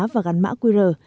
và gắn mã qr